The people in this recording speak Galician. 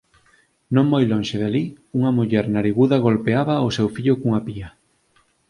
Non moi lonxe de alí, unha muller nariguda golpeaba o seu fillo cunha pía.